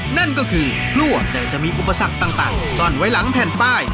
นั่นก็คือพลั่วแต่จะมีอุปสรรคต่างซ่อนไว้หลังแผ่นป้าย